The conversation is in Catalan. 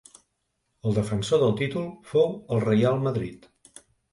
El defensor del títol fou el Reial Madrid.